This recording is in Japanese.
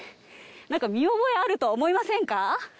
なんか見覚えあると思いませんか？